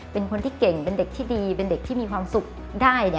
เป็นคนที่เก่งเป็นเด็กที่ดีเป็นเด็กที่มีความสุขได้